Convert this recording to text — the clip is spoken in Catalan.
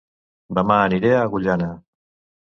Dema aniré a Agullana